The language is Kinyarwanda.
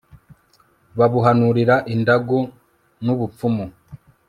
babuhanurira indagu n'ubupfumu